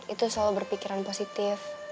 itu selalu berpikiran positif